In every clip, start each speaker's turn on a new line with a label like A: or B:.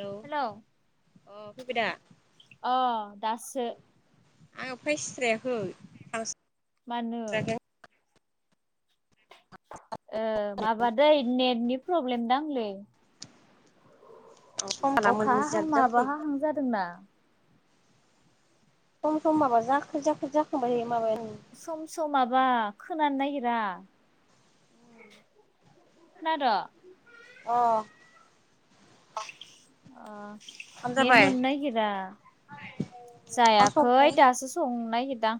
A: औ
B: हेलौ
A: अ फैबाय दा?
B: अ दासो।
A: आङो फायस्रायाखै थांसो
B: मानो?
A: [unintelligible]
B: ओ माबादै नेटनि प्रब्लेम दांलै।
A: आं सम लाना
B: अख हाहां
A: मोनजाब जाबाय थायो
B: माबाहाहां जादों ना।
A: ओ सम सम माबा जाख्रि जाख्रि जाखांबायो माबायानो।
B: सम सम माबा खोनानो नागिरा। खोनादो
A: अह
B: अह अ नेत
A: जाबाय
B: मोननो नागिरा।
A: मा
B: जायाखै
A: संबाय
B: दासो संनो नागिरदां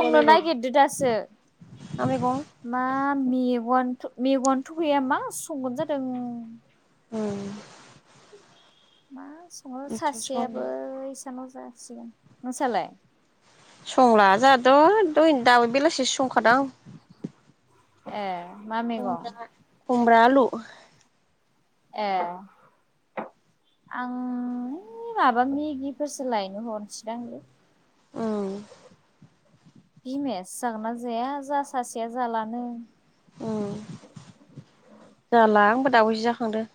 A: मा मैगं
B: नागिरदो दासो
A: मा मेगं
B: मा मेगन मेगवानथ गैया मा संगोन जादों
A: उम
B: मा सङो
A: सं
B: सासेयाबो इसानाव जासिगोन नोंसालाय
A: संला जाहाथ दहयनो दाबो बेलासिसो संखादां
B: ए मा मे
A: खुमब्रा खुमब्रा आलु
B: एह आं ओइ माबा मेगिफोरसो लायनो हरनोसैलां
A: औ
B: बिमायासो जागोनना जाया जोहा सासेया जालानो
A: उम जाला आंबो दाबवैसो जाखांदो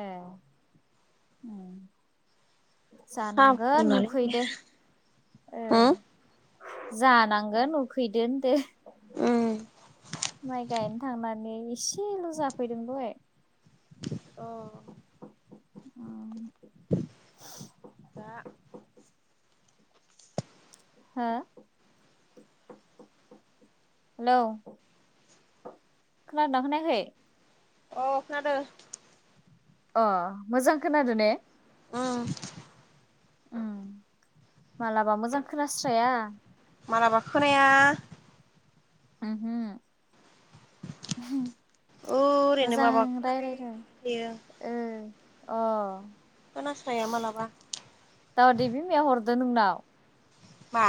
B: ए उम
A: साहा
B: जानांगोन
A: फुदुंनानै
B: उखैदो ओ
A: उम
B: जानांगोन उखैदो होनदो
A: उम
B: माइ गायनो थांनानै एसेल जाफैदों दहाय
A: अह
B: उम
A: दा
B: हा हेलौ खोनादों ना खोनायाखै?
A: अ खोनादो।
B: अ मोजां खोनादो ने?
A: उम।
B: उम मालाबा मोजां खोनास्राया।
A: मालाबा खोनाया।
B: उमहो।
A: ओरैनो माबाखौ
B: मोजां
A: खोनाबाय
B: रायलायदों
A: थायो
B: ओ अ।
A: खोनास्राया मालाबा।
B: दाउदै बिमाया हरदो नोंनाव?
A: मा?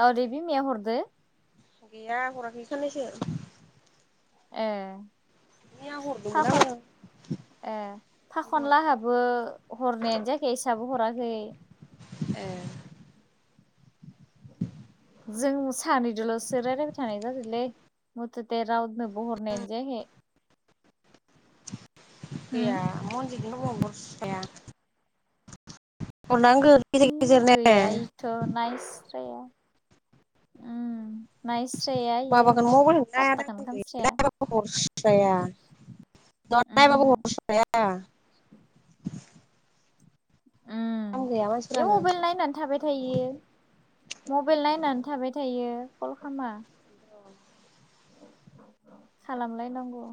B: दावदै बिमाया हरदो?
A: गैया हराखै साननैसो।
B: ए
A: मैया हरदोंमोन
B: फाखन
A: आङो
B: ए
A: हराखै
B: फाखनलाहाबो हरनायानो जायाखै इसाबो हराखै।
A: ए
B: जों सानैदोल'सो रायलायबाय थानाय जादोलै। मुथुते रावनोबो हरनायानो जायाखै। होम
A: गैया [unintelligible] हरनांगो
B: गैया इथ' नायस्राया उम। नायस्राया इयो
A: माबाखौनो मबाइलखौनो
B: पाटटाखोनो
A: नायादां
B: खामस्राया।
A: हरस्राया
B: उमहो
A: [unintelligible] दाम
B: उम
A: गैया
B: इ
A: मानसिफ्रानो
B: मबाइल नायनानै थाबाय थायो मबाइल नायनानै थाबाय थायो कल खामा। खालामलायनांगौ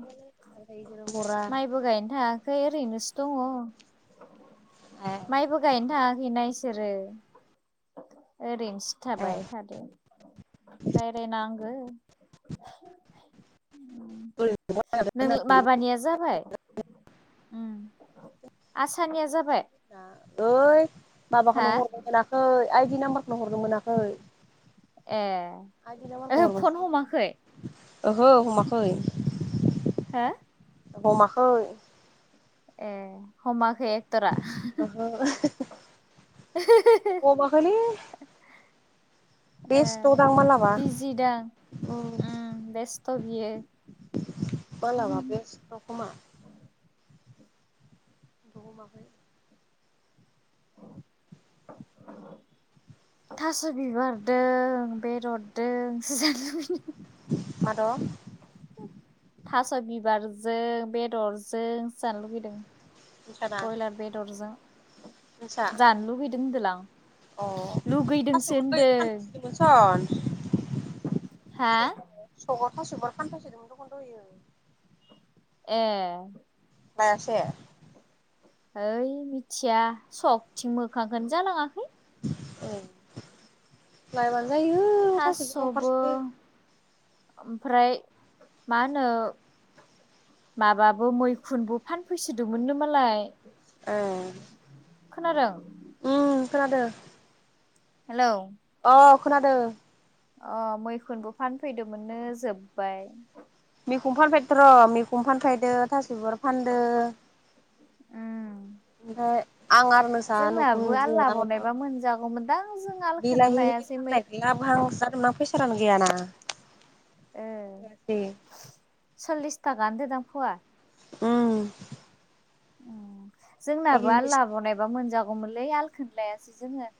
A: बिसोरो हरा
B: माइबो गायनो थाङा खै ओरैनोसो दङ
A: ए
B: माइबो गायनो थाङाखैना इसोरो। ओरैनोसो
A: ए
B: थाबाय थादो रायरायनांगो। नों माबानिया जाबाय? उम आसानिया जाबाय?
A: ना ओइ
B: हा
A: माबाखौनो हरनो मोनाखै आइदि नाम्बारखौनो हरनो मोनाखै।
B: ए
A: आइडि
B: ओहो
A: नाम्बारखौ हरबासो
B: फन
A: जागोन
B: हमाखै?
A: ओहो हमाखै।
B: हो?
A: हमाखै।
B: ए हमाखै एक्ट'रा?
A: ओहो हमाखैलै बेस्थ' दां मालाबा।
B: जि दां उम बेस्थ' बियो।
A: मालाबा बेस्थ' खोमा। [unintelligible]
B: [unintelligible] थास' बिबारदों बेदरदों सो जानो लुगै
A: माद'?
B: थास' बिबारजों बेदरजों जानो लुुबैदों।
A: नोंसाना
B: बयलार बेदरजों
A: नोंसा
B: जानो लुबैदों होनदोंलां।
A: अ थास'
B: लुगैदोंसो
A: गोरलै
B: होनदों
A: फानफैसोदोंमोन सन
B: हा
A: सकर थास' बिबार फानफाय सोदोंमोन द'ख' दहोयो।
B: ए।
A: बायासे?
B: होइ मिथिया सखथिं मोखांखोनो जालाङाखै।
A: ओं लायबानो जायो थास' बिबार
B: थास'बो
A: ओंखारसोदों।
B: ओमफ्राय मा होनो माबाबो मैखुनबो फानफैसोदोंमोननो मालाय।
A: ओं
B: खोनादों?
A: उम खोनादो।
B: हेलौ।
A: औ खोनादों।
B: अ मैखुनबो फानफैदोंमोननो जोबबाय।
A: मैफुन फानफैथ'र' मैफुन फानफायदो थास' बिबार फानदो।
B: उम।
A: ओमफ्राय आं आरो नोंसा
B: जोंनाबो आल
A: नखुमजोआ माबा
B: लाबावनायबा मोनजागौमोन दां जों आलखौनो लायासै मै
A: लाबहांसो जादोंमोन आं फैसारानो गैयाना
B: ओ
A: दे।
B: सल्लिस थाखानो दोदां फुवा?
A: उम
B: उम जोंनाबो आल
A: सल्लिस
B: लाबावनायबा मोनजागौमोनलै आलखौनो लायासै जोङो।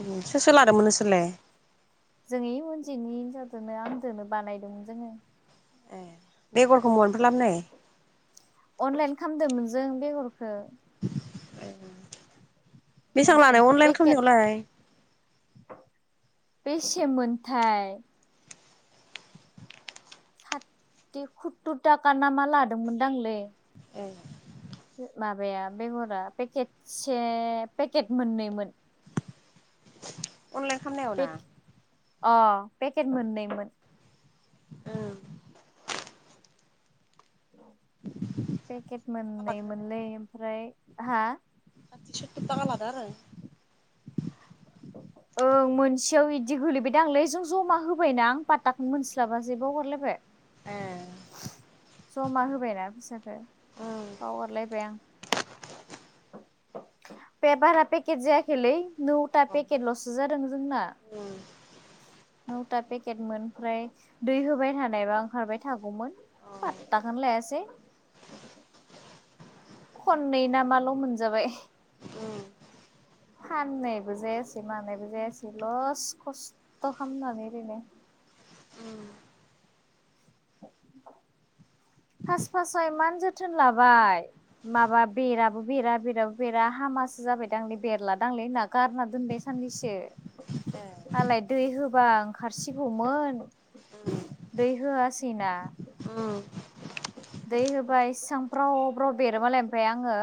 A: उम सोर सोर लादोंमोन नोंसोरलाय?
B: जोंइ उनजिनि हिनजावजोंनो आंदोनो बानायदोंमोन जोङो।
A: ए बेगरखौ मोननिफ्राय लाबनाय।
B: अनलाइन खालामदोमोन जों बेगरखौ।
A: ए। बेसां लानाय
B: मैखुनखौ
A: अनलाइन खामानायावलाय?
B: बेसे मोनथाय। सातथि खुततुर थाखा नामा लादोंमोनदांलै।
A: ए
B: माबाया बेगरा पेकेटसे पेकेट मोननैमोन।
A: खामनायाव ना?
B: पेक अ पेकेट मोननैमोन।
A: ओम साथि
B: पेकेट
A: सुत्तुर थाखा
B: मोननै
A: लादों नो
B: मोनलै ओमफ्राय हा?
A: साथि सुवातुर थाखा लादा आरो।
B: ओं मोनसेयाव बिदि गोलैबायदांंलै जों जमा होबायना आं पाटाखौनो मोनस्लाबासै आं बावगारलायबाय।
A: ए
B: जमा होबायना फैसाखौ
A: उम
B: बावगारलायबाय आं। बे बारा पेकेट जायाखेलै नोउ था पेकेट ल'सो जादों जोंना।
A: उम
B: नौथा पेकेटमोन ओमफ्राय दै होबाय थानायबा ओंखारबाय थागौमोन।
A: अ
B: पात्ता खौनो लायासै। खननै ना माल' मोनजाबाय।
A: उम
B: फाननायबो जायासै मानायबो जायासै लस खस्थ' थ खालामनानै ओरैनो।
A: उम
B: फास फासाव एमान जोथोन लाबाय। माबा बेराबो बेरा बेराबो बेरा हामासो जाबाय दांलै बेरला दांलै होनना गारना दोनबाय साननैसो।
A: ए
B: मालाय दै होबा ओंखारसिगौमोन
A: उम
B: दै होआसै [unintelligible]
A: उम।
B: दै होबाय एसेबां ब्राव ब्राव बेरोबालाय ओमफ्राय आङो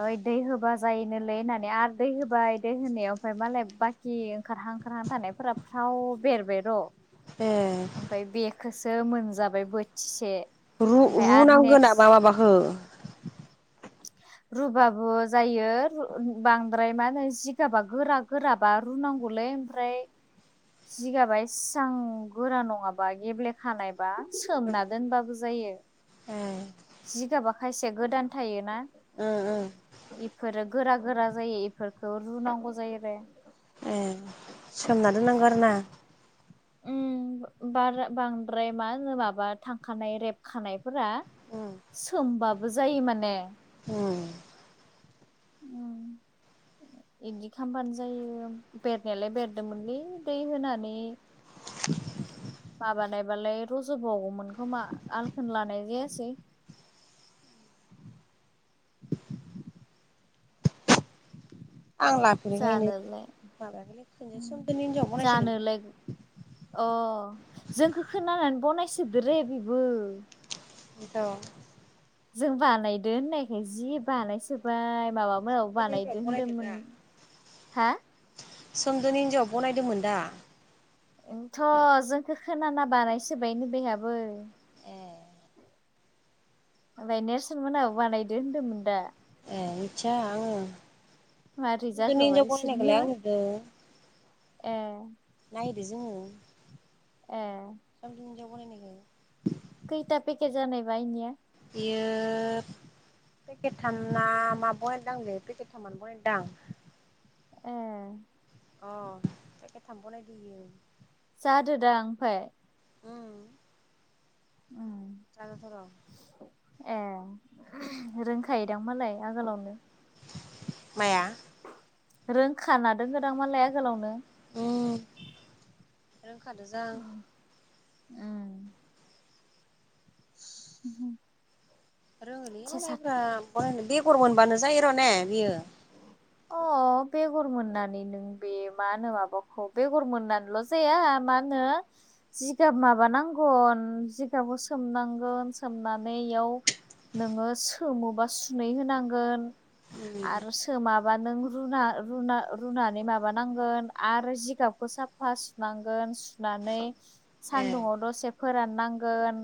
B: ओइ दै होबा जायोनोलै होननानै आरो दै होबाय दै होनायाव ओमफ्राय मालाय बाखि कि ओंखारहां ओंखारहां थानायफोरा फ्राव बेरबाय र'।
A: ए
B: ओमफ्राय बेखौसो मोनजाबाय बोथिसे।
A: रु
B: ओमफ्राय आरो
A: रुनांगोन नामा
B: नेक्स्ट
A: माबाखौ?
B: रुबाबो जायो बांद्राय मा होनो जिगाबा गोरा गोरा बार रुुनांगौलै ओमफ्राय जिगाबाय सिसां गोरा नङाबा गेब्ले खानायबा सोमना दोनबाबो जायो।
A: ए
B: जिगाबा खायसेया गोदान थायोना?
A: ओम ओम
B: इफोरो गोरा गोरा जायो इफोरखौ रुनांगौ जायो आरो।
A: ए सोमना दोननांगौ आरो ना?
B: उम बा-बांद्राय मा होनो माबा थांखानाय रेबखानायफोरा सोमबाबो जायो माने।
A: उम।
B: उम। बिदि खालामबानो जायो बेरनायालाय बेरदोंमोनलै दै होनानै [inaudible] माबानायबालाय रज' बावगौमोन खोमा आलखौनो लानाय जायासै।
A: आं लाफेरैखायनो
B: जानोलाय
A: माबायाखैलै खनसे सोमदोनि हिनजावा बानायनायसोदों।
B: जानोलाय अ जोंखौ खोनानानै बनायसोदो रे बेबो।
A: बेनोथ'।
B: जों बानायदों होननायखाय जि बानायसोबाय माबामोनाव
A: सोमदोननि
B: बानायदो
A: हिनजाव बनायदों
B: होनदोंमोन
A: दा
B: हा?
A: सोमदोननि हिनजावा बनायदोंमोन दा?
B: ओंथ' जोंखौ खोनाना बानायसोबायनो बेहाबो।
A: ए
B: ओमफ्राय नेरसोन मोनाबो बानायदो होन्दोंमोन दा।
A: आं मिथिया आङो।
B: मारै
A: नि
B: जाखोबा
A: हिन्जाव
B: इसोरनिया
A: गलायनायखौ आंबो नुदो।
B: ए
A: नायदो जोङो।
B: ए
A: आं हिनजाव बानायनायखौ।
B: खैथा पेकेट जानाय बा एनिया।
A: इयोब पेकेट थामना मा बनायदांलै पेकेट थामना बहायदां।
B: ए
A: अ फेखेथ थाम बनायदों इयो
B: जादो दा ओमफफ्राय
A: उम।
B: उम
A: जागनथ' र'
B: ए रोंखायोदां मालाय आगोलावनो
A: माया
B: रोंखानादों दां मालाय आगोलावनो
A: उम रोंखादो जां
B: ओं उम उम
A: रोङोलै मालायफ्रा बनायनो बेगर मोनबानो जायो र' ने बियो
B: अ बेगर मोननानै नों बे मा होनो माबाखौ बेगर मोनानल जाया मा होनो जिगाब माबानांगन जिगाबखौ सोमनांगन सोमनानै इयाव नोङो सोमोबा सुनै होनांगोन
A: उम
B: आरो सोमाबा नों रुना रुना रुनानै माबानांगोन आरो जिगाबखौ साब साफा सुनांगोन सुनानै
A: ए
B: सान्दुंआव दसे फोराननांगोन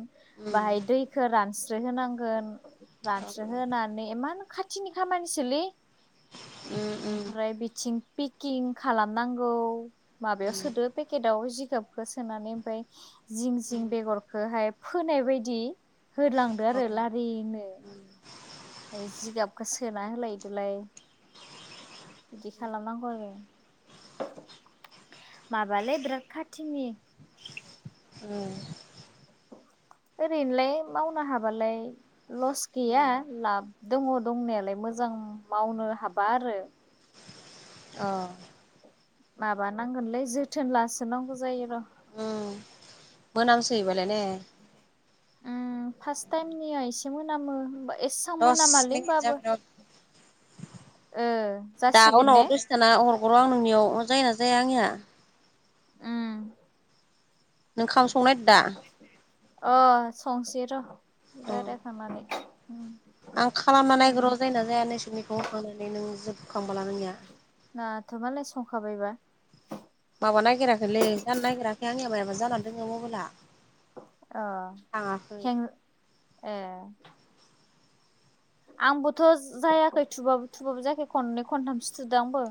A: उम
B: बाहाय दैखौ रानस्रो होनांगोन रानसो होनोनानै इमान खाथिनि खामानिसोलै
A: उम उम
B: ओमफ्राय बिथिं पेकिं खालामनांगौ माबायाव
A: उम
B: सोदो पेकेटाव जिगाबखौ सोनानै ओमफ्राय जिं जिं बेगरखौहाय फोनाय बायदि होलांदो
A: अ
B: आरो लारिनो
A: उम
B: जिगाबखौ सोना होलायदोलाय बिदि
A: उम
B: खालामनांगौ आरो माबालै बिराद खाथिनि
A: उम
B: ओरैनोलाय मावनो हाबालाय लस गैया लाब दङ दंनायालाय मोजां मावनो हाबा आरो
A: अ
B: माबानांगोनलै जोथोन लासोनांगौ जायो र'
A: मोनामसोयो बालाय ने
B: उम फार्स्ट टाइमनिया एसे मोनामो बा एस सां
A: दस
B: मोनामालै
A: मिनिट
B: होमबाबो
A: जाबाय र'
B: ओ जासिगोन ने
A: दाना अरगर' आं नोंनियाव जाय ना जाया आंनिया
B: उम
A: नों खाम संनाय दा
B: अ संसै र' दा
A: अ
B: रायलायखांनानै
A: आं खालामना नागन
B: संनि
A: र' जायना जाया नैसोरनिखौ होखांनानै नों जोबखांबला नोंनिया
B: नोंहाथ मालाय संखाबायबा
A: माबा नायागिराखोलै जानो नागिराखै आंनिया मायबा जानानै दोङो मबाइला
B: अ
A: थाङाखै
B: हें ए आंबोथ' जायाखै थुबाबो थुबाबो जायाखै खननै खनथामसो थुदों आंबो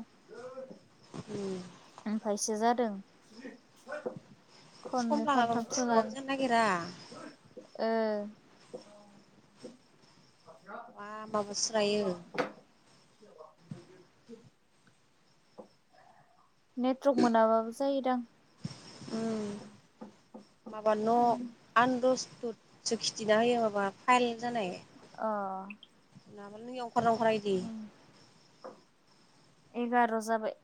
A: [inaudible]
B: ओमफायसो जादों
A: सम
B: खननै
A: लागाबाबो
B: खनथाम फोनां
A: थुबाबो जानो नागिरा
B: ओ
A: बा माबासोलायो
B: [unintelligible] [inaudible] नेटवर्क मोनाबाबो जायो
A: उम माबा न' आनदस्तुद सो खिथिना होयो माबा फाइल जानाय
B: अ
A: नंङाबा नैयाव अंखारा अंखारा इदि।
B: उम एगार' जाबाय।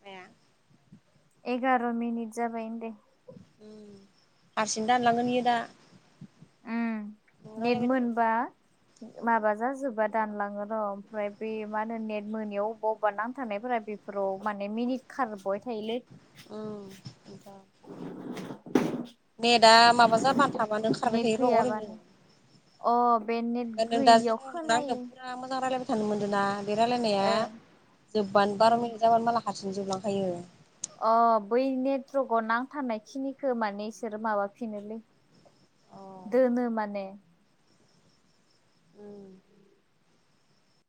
A: माया
B: एगार' मिनिट जाबाय होनदो।
A: हारसिं दानलांगोन इयो दा।
B: उम
A: नों
B: नेट
A: रायलायबाय
B: मोनबा
A: थाबा
B: माबा जाजोब्बा दानलाङोर' ओमफ्राय बे मा होनो नेट मोनियाव अबेबा अबेबा नांथानायफोरा बे फोराव माने मिनिट खारबाय थायोलै।
A: उम एनोथ'।
B: [inaudible]
A: नेटआ माबा जाबानो थाबानो खारबाय
B: नेट
A: थायोर' ओरैनो।
B: गैयाबानो
A: ओमफ्राय
B: अ' बे नेट
A: नों दा जों
B: गैयियाव
A: नोंना
B: खोनायि
A: आंजों फुरा मोजां रायलायबाय थानो मोन्दोंना बे रायलायनाया जोब्बानो
B: ओ
A: बार' मिनिट जाबानो माला हारसिंनो जोबलांखायो।
B: अ' बै नेटवर्कआव नांथानाय खिनिखो माने इसोर माबाफिनोलै।
A: अ
B: दोनो माने।
A: [inaudible]